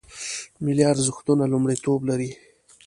ملي ارزښتونه لومړیتوب لري